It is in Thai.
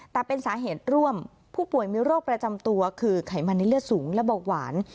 แต่เป็นสาเหตุร่วมผู้ป่วยมีโรคประจำตัวคือไขมันในเลือดสูงและเบาหวาน